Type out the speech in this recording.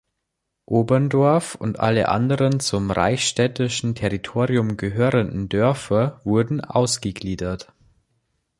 Oberndorf und alle anderen zum reichsstädtischen Territorium gehörenden Dörfer wurden ausgegliedert.